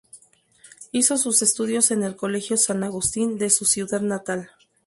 Hizo sus estudios en el Colegio San Agustín de su ciudad natal.